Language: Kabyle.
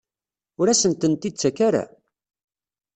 Ur asen-tent-id-tettak ara?